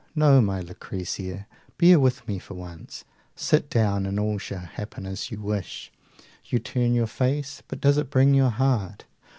No, my Lucrezia; bear with me for once: Sit down and all shall happen as you wish. You turn your face, but does it bring your heart?